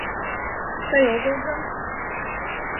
Тый огыл гын?..